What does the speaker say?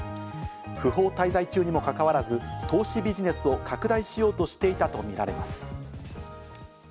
不法滞在中にもかかわらず、投資ビジネスを拡大しようとしていたとみられます。